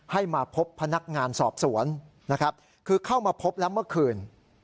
ให้มาพบพนักงานสอบสวนนะครับคือเข้ามาพบแล้วเมื่อคืน